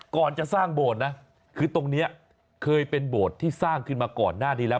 ก่อนจะสร้างโบสถ์นะคือตรงนี้เคยเป็นโบสถ์ที่สร้างขึ้นมาก่อนหน้านี้แล้ว